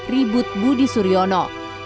ribut budi suryono